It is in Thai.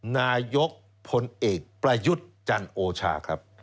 นายกพลเอกประยุทธ์จันโอชาครับ